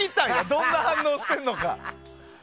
どんな反応してるのか。